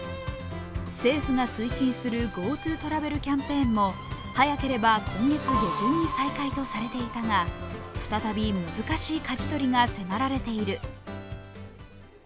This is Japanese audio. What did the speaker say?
政府が推進するＧｏＴｏトラベルキャンペーンも早ければ今月下旬に再開とされていたが、再び難しいかじ取りが迫られている。